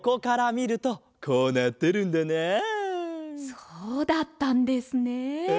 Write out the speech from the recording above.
そうだったんですね。